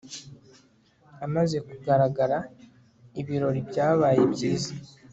Amaze kugaragara ibirori byabaye byiza